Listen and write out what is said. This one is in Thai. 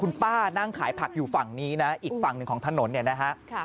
คุณป้านั่งขายผักอยู่ฝั่งนี้นะอีกฝั่งหนึ่งของถนนเนี่ยนะฮะ